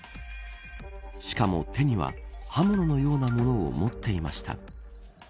しかも手には刃物のようなものを持っていました。